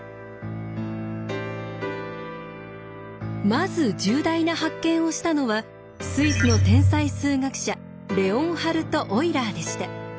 まず重大な発見をしたのはスイスの天才数学者レオンハルト・オイラーでした。